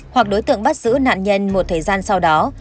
hoặc đối tượng bắt giữ nạn nhân một thời gian sau đó